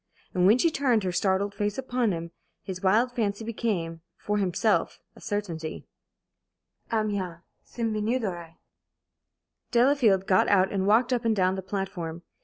And when she turned her startled face upon him, his wild fancy became, for himself, a certainty. "Amiens! Cinq minutes d'arrêt." Delafield got out and walked up and down the platform.